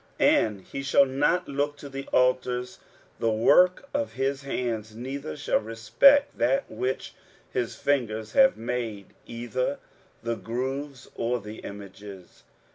23:017:008 And he shall not look to the altars, the work of his hands, neither shall respect that which his fingers have made, either the groves, or the images.